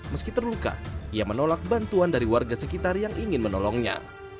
meski terluka ia menolak bantuan dari warga sekitar yang ingin menolongnya